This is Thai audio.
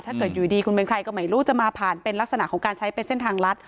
ถ้าเกิดอยู่ดีคุณเป็นใครก็ไม่รู้จะมาผ่านเป็นลักษณะของการใช้เป็นเส้นทางลัด